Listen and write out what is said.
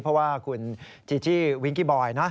เพราะว่าคุณจีจี้วิงกี้บอยนะ